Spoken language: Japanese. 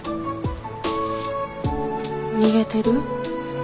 逃げてる？